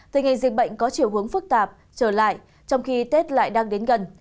tình hình dịch bệnh có chiều hướng phức tạp trở lại trong khi tết lại đang đến gần